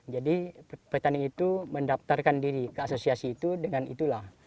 petani itu mendaftarkan diri ke asosiasi itu dengan itulah